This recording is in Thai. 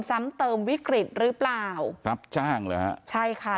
ซ้ำเติมวิกฤตหรือเปล่ารับจ้างเหรอฮะใช่ค่ะ